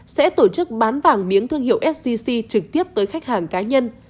sẽ tổ chức bán vàng miếng thương hiệu sgc trực tiếp tới khách hàng cá nhân